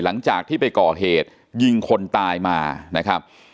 หลังจากที่ไปก่อเหตุยิงคนตายมานะครับ